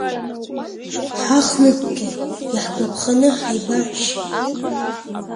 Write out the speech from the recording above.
Ҳахҩыкгьы иаҳгәарԥханы ҳааибарччеит.